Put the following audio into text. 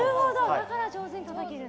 だから上手にたたけるんだ。